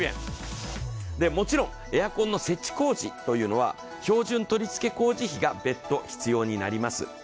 もちろんエアコンの設置工事といいうのは標準取り付け工事費が別途必要になります。